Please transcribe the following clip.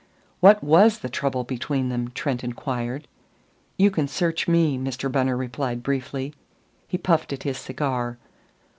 "What was the trouble between them?" Trent inquired. "You can search me," Mr. Bunner replied briefly. He puffed at his cigar.